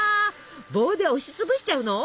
棒で押しつぶしちゃうの？